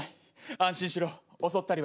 安心しろ襲ったりはしない。